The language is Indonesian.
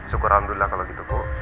syukur alhamdulillah kalau gitu bu